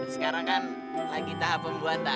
sekarang kan lagi tahap pembuatan